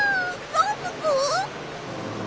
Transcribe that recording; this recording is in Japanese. ランププ！？